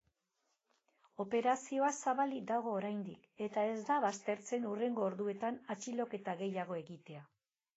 Operazioa zabalik dago oraindik eta ez da baztertzen hurrengo orduetan atxiloketa gehiago egitea.